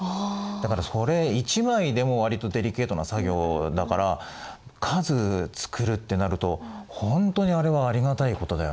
だからそれ一枚でもわりとデリケートな作業だから数作るってなるとほんとにあれはありがたいことだよね。